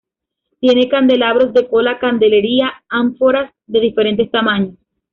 Tiene candelabros de cola, candelería, ánforas de diferentes tamaños.